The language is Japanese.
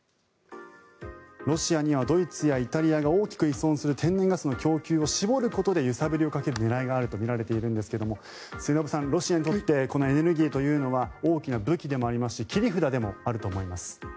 ロシアには、ドイツやイタリアが大きく依存する天然ガスの供給を絞ることで揺さぶりをかける狙いがあるとみられているんですけれども末延さん、ロシアにとってこのエネルギーというのは大きな武器でもありますし切り札でもあると思います。